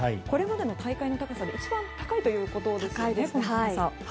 これまでの大会の高さで一番高いということです。